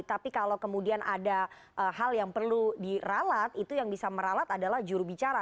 tapi kalau kemudian ada hal yang perlu diralat itu yang bisa meralat adalah jurubicara